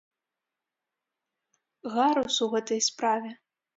Гарус у гэтай справе!